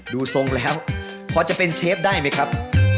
ดูทรงแล้วพอจะเป็นเชฟได้ไหมครับ